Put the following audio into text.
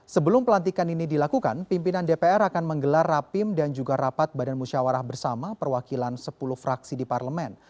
sebelum pelantikan ini dilakukan pimpinan dpr akan menggelar rapim dan juga rapat badan musyawarah bersama perwakilan sepuluh fraksi di parlemen